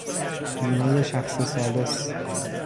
بیمهی شخص ثالث